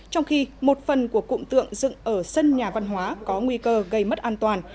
trong khi một phần của cụm tượng dựng ở sân nhà văn hóa có nguy cơ gây mất an toàn